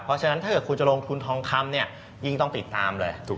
เพราะฉะนั้นถ้าเกิดคุณจะลงทุนทองคำเนี่ยยิ่งต้องติดตามเลย